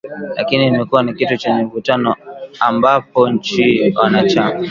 Lakini imekuwa ni kitu chenye mvutano ambapo nchi wanachama